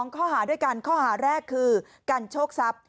ข้อหาด้วยกันข้อหาแรกคือกันโชคทรัพย์